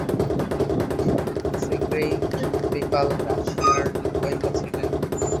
Sergei Skripal রাশিয়ার গোয়েন্দা ছিলেন।